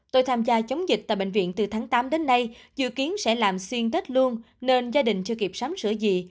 tôi tham gia chống dịch tại bệnh viện từ tháng tám đến nay dự kiến sẽ làm xuyên tết luôn nên gia đình chưa kịp sắm sửa gì